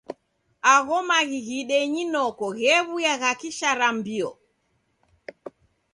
Agho maghi ghidenyi noko ghew'uya gha kisharambio.